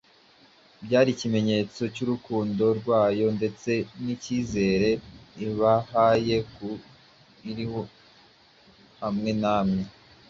byari ikimenyetso cy’urukundo rwayo ndetse n’icyizere ibahaye ko iri hamwe nabo.